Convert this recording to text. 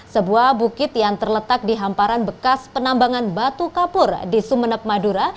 sebuah bukit yang terletak di hamparan bekas penambangan batu kapur di sumeneb madura